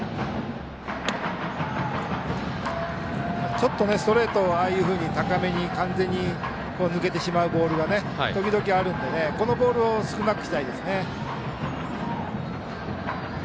ちょっとストレート高めに完全に抜けてしまうボールは時々あるのでこのボールを少なくしたいですね。